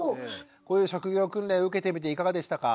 こういう職業訓練受けてみていかがでしたか？